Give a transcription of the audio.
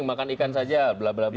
aksesibilitas atau tidak